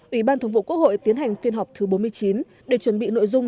ủy ban thống vụ quốc hội tiến hành phiên họp thứ bốn mươi chín để chuẩn bị nội dung